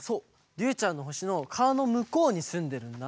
りゅうちゃんのほしのかわのむこうにすんでるんだ。